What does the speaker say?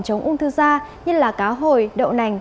chống ung thư da như là cá hồi đậu nành